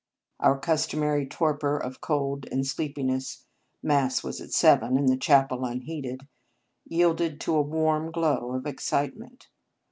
Our customary torpor of cold and sleepi ness Mass was at seven, and the chapel unheated yielded to a warm glow of excitement.